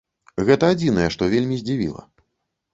Гэта адзінае, што вельмі здзівіла.